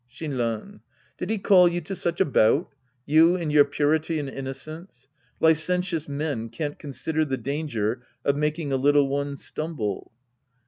Shinran. Did he call you to such a bout ? You in your purity and innocence ? Licentious men can't consider the danger of making a little one stumble.